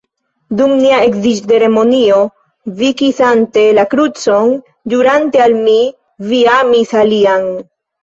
Dum nia edziĝceremonio vi, kisante la krucon, ĵurante al mi, vi amis alian.